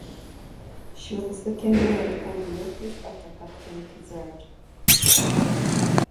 She was the second woman to hold the office after Catherine Tizard.